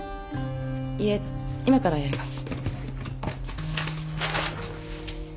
いえ今からやります。